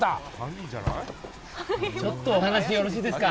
ちょっとお話よろしいですか？